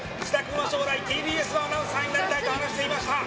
将来、ＴＢＳのアナウンサーになりたいと話していました。